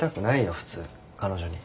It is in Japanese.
普通彼女に。